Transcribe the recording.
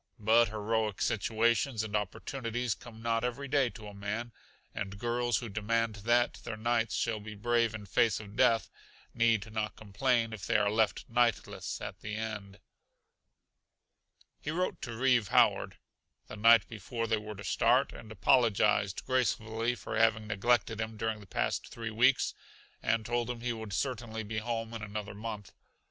But heroic situations and opportunities come not every day to a man, and girls who demand that their knights shall be brave in face of death need not complain if they are left knightless at the last. He wrote to Reeve Howard, the night before they were to start, and apologized gracefully for having neglected him during the past three weeks and told him he would certainly be home in another month.